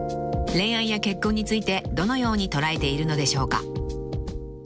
恋愛や結婚についてどのように捉えているのでしょうか？］